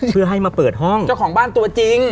เพื่อให้มาเปิดห้องเจ้าของบ้านตัวจริง